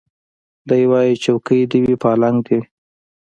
دی وايي څوکۍ دي وي پالنګ دي وي